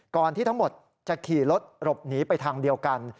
ที่ทั้งหมดจะขี่รถหลบหนีไปทางเดียวกัน